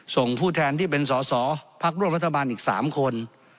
ผู้แทนที่เป็นสอสอพักร่วมรัฐบาลอีก๓คน